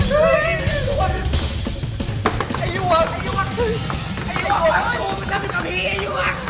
เห้ย